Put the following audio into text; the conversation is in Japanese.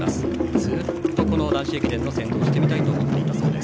ずっと男子駅伝の先導をしてみたいと言っていたようです。